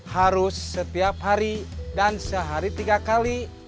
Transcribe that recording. harus setiap hari dan sehari tiga kali